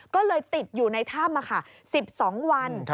ก็เลยติดอยู่ในถ้ำ๑๒วัน